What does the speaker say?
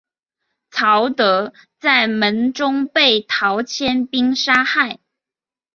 曹德在门中被陶谦兵杀害。